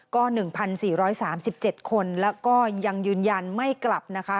ก็๑๔๓๗คนแล้วก็ยังยืนยันไม่กลับนะคะ